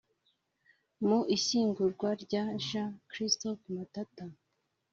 Mu ishyingurwa rya Jean Christophe Matata